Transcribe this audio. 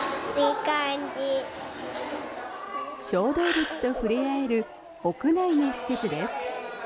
小動物と触れ合える屋内の施設です。